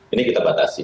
ini kita batasi